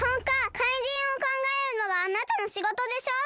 かいじんをかんがえるのがあなたのしごとでしょ！